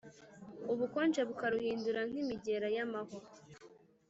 ubukonje bukaruhindura nk’imigera y’amahwa.